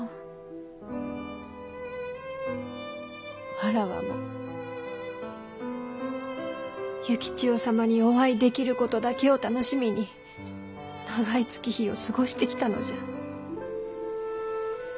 わらわも幸千代様にお会いできることだけを楽しみに長い月日を過ごしてきたのじゃ。